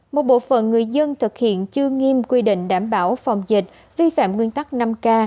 một bộ phận người dân thực hiện chưa nghiêm quy định đảm bảo phòng dịch vi phạm nguyên tắc năm k